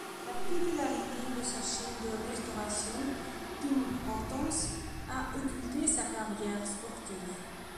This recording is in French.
La popularité de sa chaîne de restauration Tim Hortons a occulté sa carrière sportive.